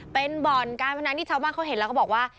เป็นบ่อนการพนันที่ชาวบ้านเขาเห็นแล้วก็บอกว่า